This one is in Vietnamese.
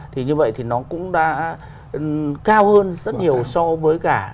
thì như vậy thì nó cũng đã cao hơn rất nhiều so với cả